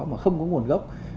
mà không có nguồn gốc